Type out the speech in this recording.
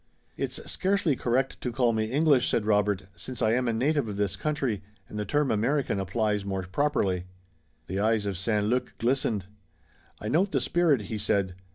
"It's scarcely correct to call me English," said Robert, "since I am a native of this country, and the term American applies more properly." The eyes of St. Luc glistened. "I note the spirit," he said.